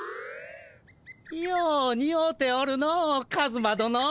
ようにおうておるのカズマどの。